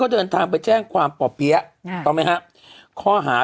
เขาเดินทางไปแจ้งความปเปี้๊ะอ่าต้องไหมฮะข้อหา